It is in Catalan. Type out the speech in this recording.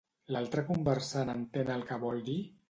L'altre conversant entén el que vol dir?